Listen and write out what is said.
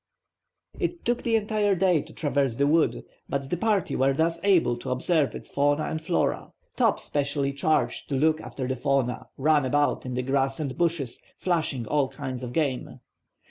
It took the entire day to traverse the wood, but the party were thus able to observe its fauna and flora. Top, specially charged to look after the fauna, ran about in the grass and bushes, flushing all kinds of game.